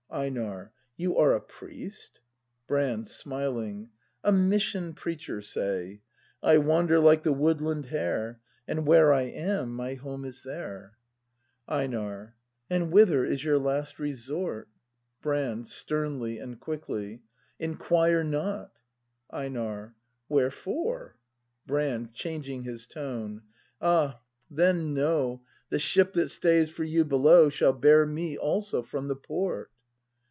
EiNAR. You are A priest ? Brand. [Smiling.] A mission preacher, say. I wander like the woodland hare, And where I am, my home is there. My way ACT I] BRAND 37 EiNAR. And whither is your last resort? Brand. [Sternly and quickly.] Inquire not! Einar. Wherefore ? Brand. [Changing his tone.] Ah, — then know, The ship that stays for you below Shall bear me also from the port.